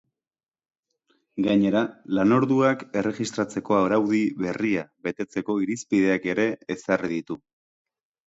Gainera, lanorduak erregistratzeko araudi berria betetzeko irizpideak ere ezarri ditu.